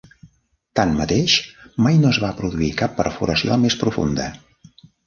Tanmateix, mai no es va produir cap perforació més profunda.